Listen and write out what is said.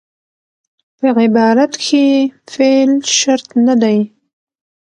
په عبارت کښي فعل شرط نه دئ.